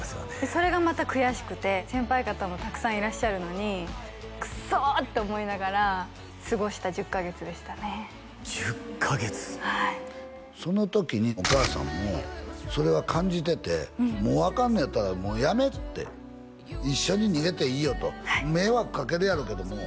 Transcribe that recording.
それがまた悔しくて先輩方もたくさんいらっしゃるのにクソッ！と思いながら過ごした１０カ月でしたね１０カ月はいその時にお母さんもそれは感じてて「もうアカンのやったらもうやめ」って「一緒に逃げていいよ」と「迷惑かけるやろうけども」